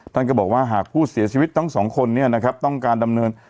ท่านก็บอกว่าหากผู้เสียชีวิตทั้งสองคนเนี่ยนะครับต้องการดำเนิน